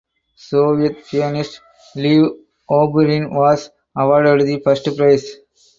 Soviet pianist Lev Oborin was awarded the first prize.